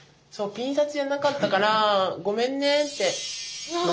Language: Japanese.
ピン札じゃなかったからごめんねって。